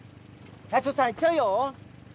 社長さん行っちゃうよ？